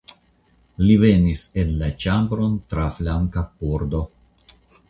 Li venis en la ĉambron tra flanka pordo.